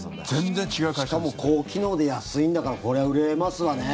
しかも高機能で安いんだからこりゃ売れますわね。